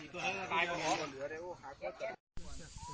จบจบ